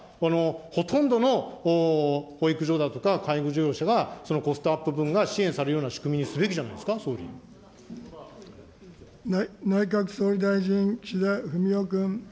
ほとんどの保育所だとか、介護事業者がコストアップ分が支援されるような仕組みにすべきじゃない内閣総理大臣、岸田文雄君。